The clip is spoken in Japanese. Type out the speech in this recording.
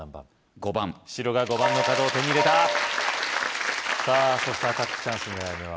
５番白が５番の角を手に入れたさぁそしてアタックチャンス狙い目は？